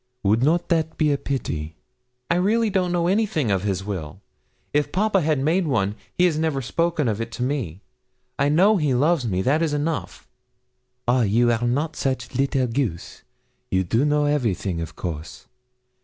Would not that be pity?' 'I really don't know anything of his will. If papa has made one, he has never spoken of it to me. I know he loves me that is enough.' 'Ah! you are not such little goose you do know everything, of course.